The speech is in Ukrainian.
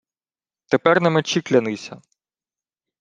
— Тепер на мечі клянися.